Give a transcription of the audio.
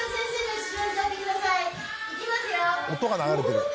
音が流れてる。